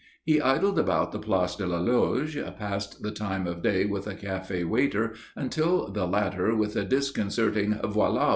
He idled about the Place de la Loge, passed the time of day with a café waiter until the latter, with a disconcerting "_Voilà!